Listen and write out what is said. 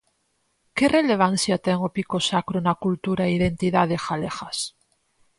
Que relevancia ten o Pico Sacro na cultura e identidade galegas?